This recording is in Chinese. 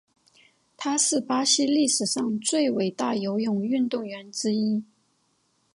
他是巴西历史上最伟大游泳运动员之一。